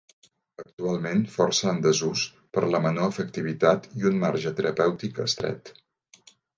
Actualment força en desús, per la menor efectivitat i un marge terapèutic estret.